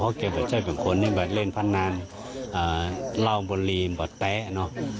เพราะว่าเกมแบบเจ้าเป็นคนแบบเล่นพันนานเล่าบุหรี่แบบแป๊ะเนอะ